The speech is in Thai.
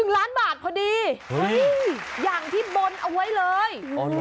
๑ล้านบาทพอดีอย่างที่บนเอาไว้เลย